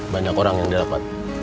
banyak orang yang dapat